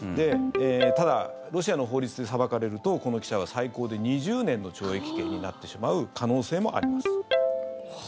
ただ、ロシアの法律で裁かれるとこの記者は最高で２０年の懲役刑になってしまう可能性もあります。